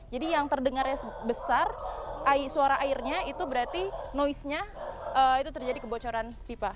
jadi yang terdengarnya besar suara airnya itu berarti noise nya itu terjadi kebocoran pipa